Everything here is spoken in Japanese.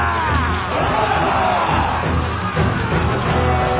お！